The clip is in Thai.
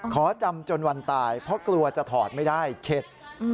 ขอจำจนวันตายเพราะกลัวจะถอดไม่ได้เข็ด